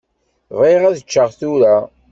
Bɣiɣ ad ččeɣ tura.